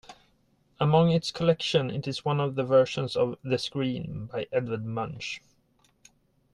Among its collection is one of the versions of "The Scream" by Edvard Munch.